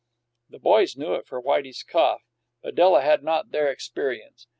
The boys knew it for Whitey's cough, but Della had not their experience.